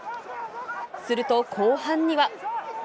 すると後半には。